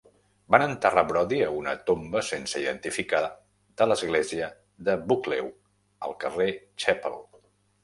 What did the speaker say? Van enterrar Brodie a una tomba sense identificar de l'església de Buccleuch, al carrer Chapel.